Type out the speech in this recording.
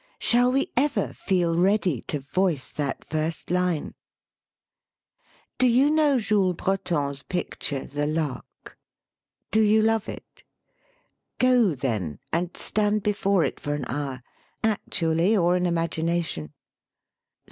Shall we ever feel ready to voice that first line ? Do you know Jules Breton's picture, "The Lark"? Do you love it? Go, then, and stand before it for an hour, actually or in imagination.